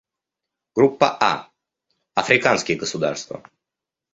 Группа А — Африканские государства.